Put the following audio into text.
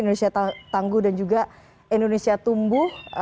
indonesia tangguh dan juga indonesia tumbuh